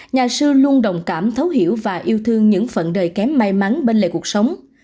nhà sư luôn đồng cảm thấu hiểu và yêu thương những phận đời kém may mắn bên lề cuộc sống